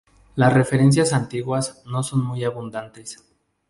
Las referencias antiguas no son muy abundantes.